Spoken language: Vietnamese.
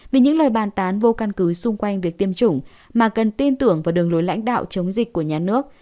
vì những lời bàn tán vô căn cứ xung quanh việc tiêm chủng mà cần tin tưởng vào đường lối lãnh đạo chống dịch của nhà nước